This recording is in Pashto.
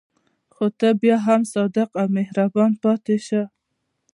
خو ته بیا هم صادق او مهربان پاتې شه.